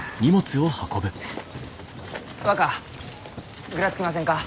若ぐらつきませんか？